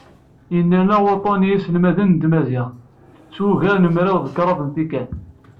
Yennerna wuṭṭun n yiselmaden n tmaziɣt, s wugar n mraw d kraḍ n tikkal.